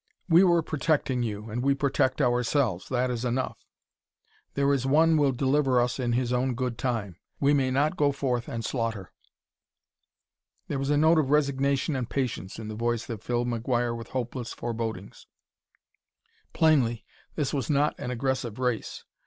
"We were protecting you, and we protect ourselves; that is enough. There is One will deliver us in His own good time; we may not go forth and slaughter." There was a note of resignation and patience in the voice that filled McGuire with hopeless forebodings. Plainly this was not an aggressive race.